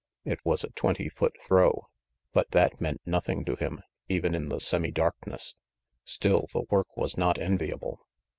It was a twenty foot throw, but that meant nothing to him, even in the semi darkness. Still, the work was not enviable.